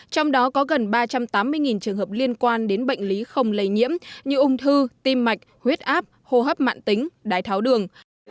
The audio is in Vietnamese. trong đó có gần ba trăm tám mươi trường hợp liên quan đến bệnh lý không lây nhiễm như ung thư tim mạch huyết áp hô hấp mạng tính đái tháo đường